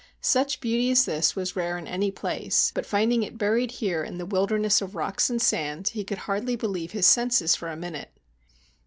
Such beauty as this was rare in any place, but finding it buried here in the wilderness of rocks and sand, he could hardly believe his senses for a minute.